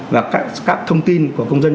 và các thông tin của công dân